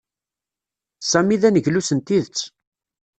Sami d aneglus n tidet.